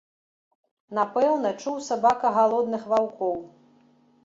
Напэўна, чуў сабака галодных ваўкоў.